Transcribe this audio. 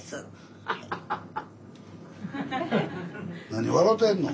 何笑てんの？